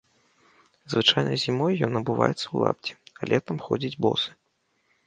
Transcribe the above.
Звычайна зімой ён абуваецца ў лапці, а летам ходзіць босы.